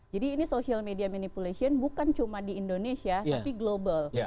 jadi ini social media manipulation bukan cuma di indonesia tapi global